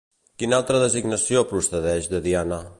Quina altra designació procedeix de Diana?